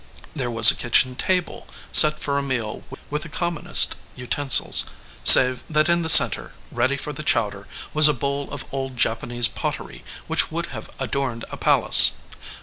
There was a kitchen table, set for a meal with the commonest utensils, save that in the center, ready for the chowder, was a bowl of old Japanese pottery which would have adorned a palace.